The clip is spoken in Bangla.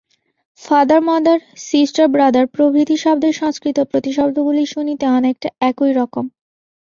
ফাদার মাদার, সিষ্টার ব্রাদার প্রভৃতি শব্দের সংস্কৃত প্রতিশব্দগুলি শুনিতে অনেকটা একই রকম।